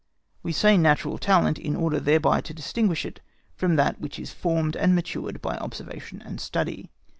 We say natural talent, in order thereby to distinguish it from that which is formed and matured by observation and study.